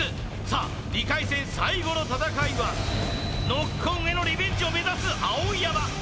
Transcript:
さあ２回戦最後の戦いはノッコンへのリベンジを目指す碧山